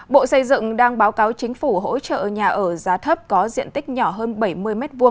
bộ xây dựng đang báo cáo chính phủ hỗ trợ nhà ở giá thấp có diện tích nhỏ hơn bảy mươi m hai